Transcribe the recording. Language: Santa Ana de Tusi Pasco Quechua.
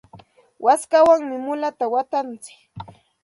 waskawanmi mulata watantsik.